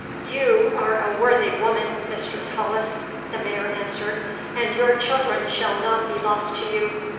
'You are a worthy woman, Mistress Hollis,' the Mayor answered, 'and your children shall not be lost to you.